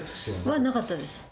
はなかったです。